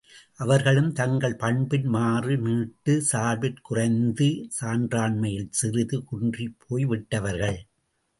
அவர்களும் தங்கள் பண்பின் மாறு நீட்டு, சால்பிற் குறைந்து, சான்றாண்மையில் சிறிது குன்றிப்போய் விட்டவர்கள்.